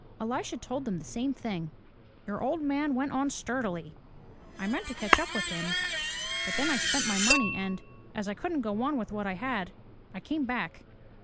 Elisha told them the same thing. "Your old man went on sturdily. I meant to catch up with him, but then I spent my money and, as I couldn't go on with what I had, I came back."